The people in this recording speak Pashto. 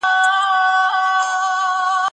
پوه سړی به د ټولني ستونزې حل کړي.